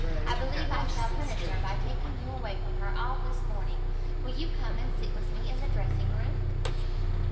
I believe I shall punish her by taking you away from her all this morning; will you come and sit with me in the dressing room?"